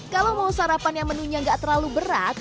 kalau mau sarapan yang menunya nggak terlalu berat